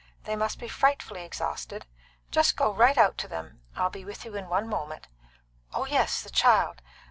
They must be frightfully exhausted. Just go right out to them. I'll be with you in one moment. Oh yes, the child!